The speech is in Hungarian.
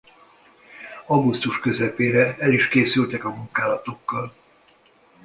Augusztus közepére el is készültek a munkálatokkal.